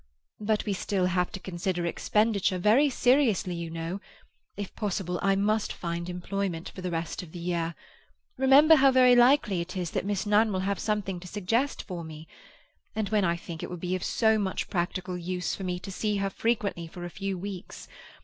But we still have to consider expenditure very seriously, you know. If possible, I must find employment for the rest of the year. Remember how very likely it is that Miss Nunn will have something to suggest for me. And when I think it will be of so much practical use for me to see her frequently for a few weeks.